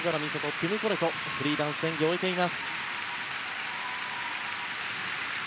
ティム・コレトフリーダンス演技を終えています。